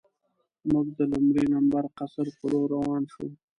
موږ د لومړي لمبر قصر په لور روان شو.